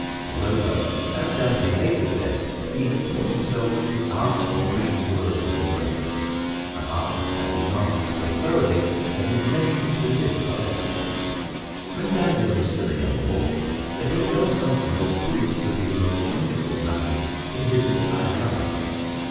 Moreover, as Dante later said, he had taught himself "the art of bringing words into verse" an art that he mastered so thoroughly that his name was to live forever. When Dante was still a young boy there befell something that proved to be the most wonderful happening in his entire life.